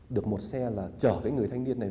được một xe là chở cái người thanh niên này